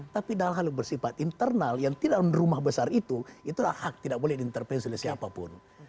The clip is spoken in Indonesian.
tapi dalam hal bersifat internal yang tidak rumah besar itu itulah hak tidak boleh diintervensi oleh siapapun